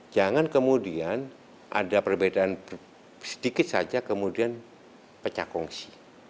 jangan kemudian ada perbedaan sedikit saja kemudian pecah kongsi